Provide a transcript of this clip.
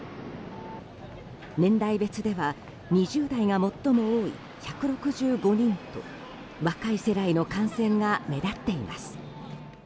年代別では２０代が最も多い１６５人と若い世代の感染が目立っています。